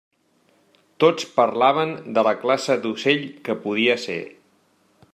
Tots parlaven de la classe d'ocell que podia ser.